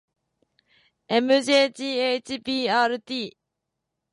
ｍｊｇｈｂｒｔ